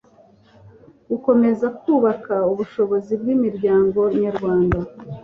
gukomeza kubaka ubushobozi bw'imiryango nyarwanda